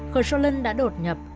khởi sô lân đã đột nhập